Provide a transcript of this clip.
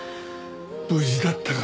無事だったか。